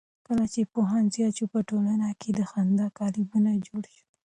کله چې پوهاوی زیات شو، په ټوله نړۍ کې خندا کلبونه جوړ شول.